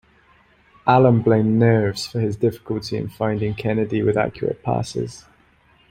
Alan blamed nerves for his difficulty in finding Kennedy with accurate passes.